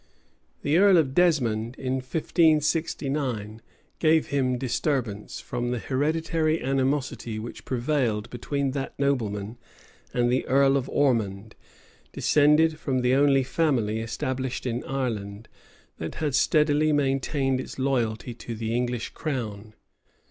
The earl of Desmond, in 1569, gave him disturbance, from the hereditary animosity which prevailed between that nobleman and the earl of Ormond, descended from the only family, established in Ireland, that had steadily maintained its loyalty to the English crown.